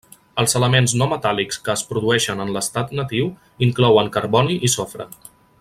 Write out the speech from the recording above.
Els elements no metàl·lics que es produeixen en l'estat natiu inclouen carboni i sofre.